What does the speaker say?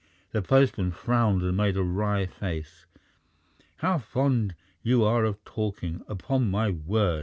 The postman frowned and made a wry face. "How fond you are of talking, upon my word!"